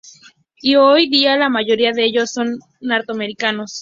Y hoy día la mayoría de ellos son norteamericanos.